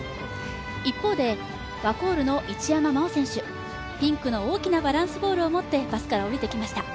一方で、ワコールの一山麻緒選手ピンクの大きなバランスボールを持ってバスから降りてきました。